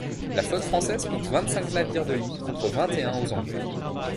La flotte française compte vingt-cinq navires de ligne contre vingt-et-un aux Anglais.